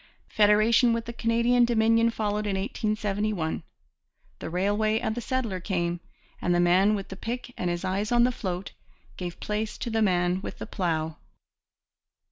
Federation with the Canadian Dominion followed in 1871; the railway and the settler came; and the man with the pick and his eyes on the 'float' gave place to the man with the plough.